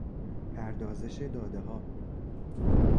پردازش دادهها